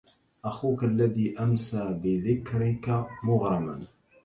أخوك الذي أمسى بذكرك مغرما